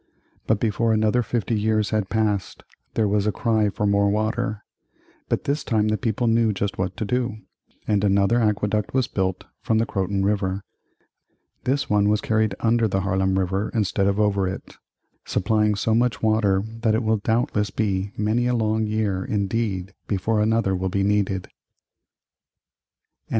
But before another fifty years had passed there was a cry for more water, But this time the people knew just what to do, and another aqueduct was built from the Croton River. This one was carried under the Harlem River instead of over it, supplying so much water that it will doubtless be many a long year indeed before another will be needed.